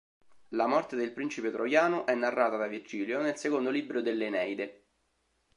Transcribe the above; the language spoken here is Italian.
La morte del principe troiano è narrata da Virgilio nel secondo libro dell"'Eneide".